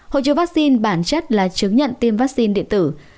hộ chiếu vaccine bản chất là chứng nhận tiêm vaccine điện tử